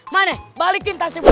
mana balikin tasnya buem